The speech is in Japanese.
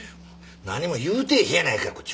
何も言うてへんやないかこっちは。